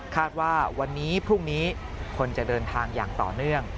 ว่าวันนี้พรุ่งนี้คนจะเดินทางอย่างต่อเนื่อง